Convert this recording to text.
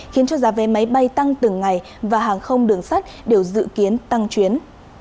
khiến cho giá vé máy bay tăng từng ngày và hàng không đường sắt đều dự kiến tăng chuyến